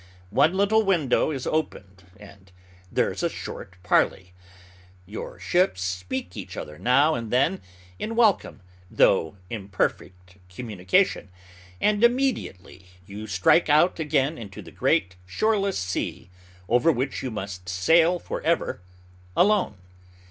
One little window is opened, and there is short parley. Your ships speak each other now and then in welcome, though imperfect communication; but immediately you strike out again into the great, shoreless sea, over which you must sail forever alone.